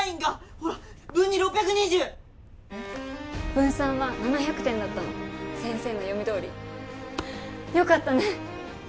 文３は７００点だったの先生の読みどおりよかったね！